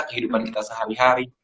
kehidupan kita sehari hari